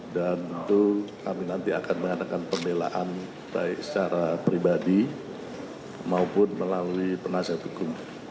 dan itu kami nanti akan mengadakan pembelaan baik secara pribadi maupun melalui penasihat hukum